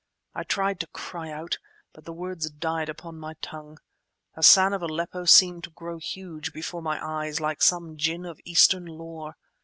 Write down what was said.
I tried to cry out, but the words died upon my tongue. Hassan of Aleppo seemed to grow huge before my eyes like some ginn of Eastern lore.